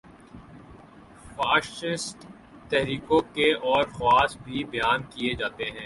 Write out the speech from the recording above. Fascist تحریکوں کے اور خواص بھی بیان کیے جاتے ہیں۔